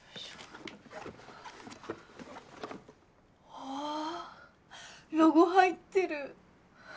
わぁロゴ入ってる。